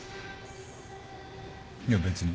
いや別に。